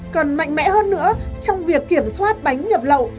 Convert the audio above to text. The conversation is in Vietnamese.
cần mạnh mẽ hơn nữa trong việc kiểm soát bánh nhập lậu